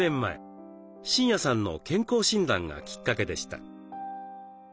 真也さんの健康診断がきっかけでした。